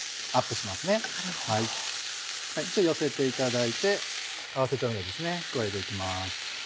ちょっと寄せていただいて合わせ調味料ですね加えて行きます。